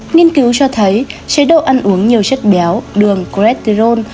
nghiên cứu cho thấy chế độ ăn uống nhiều chất béo đường cleterol